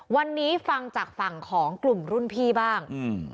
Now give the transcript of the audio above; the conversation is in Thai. วันนี้ฟังจากฝั่งของกลุ่มรุ่นพี่บ้าง